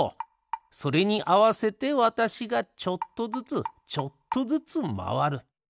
それにあわせてわたしがちょっとずつちょっとずつまわる。